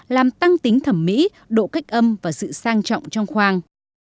làm tăng tính thẩm mỹ độ cách âm và sự sang trọng trong khoang